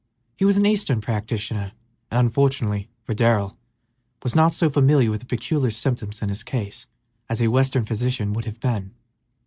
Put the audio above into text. He was an eastern practitioner, and, unfortunately for Darrell, was not so familiar with the peculiar symptoms in his case as a western physician would have been.